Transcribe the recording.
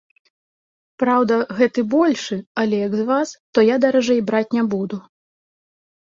Праўда, гэты большы, але як з вас, то я даражэй браць не буду.